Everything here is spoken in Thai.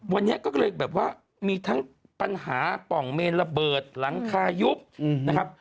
วันนี้ก็เลยแบบว่ามีทั้งปัญหาป่องเมนระเบิดหลังคายุบนะครับ